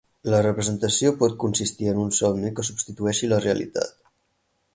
La representació pot consistir en un somni que substitueixi la realitat.